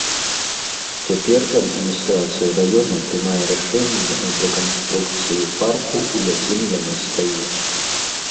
Цяпер адміністрацыя раёна прымае рашэнне аб рэканструкцыі парку, у якім яна стаіць.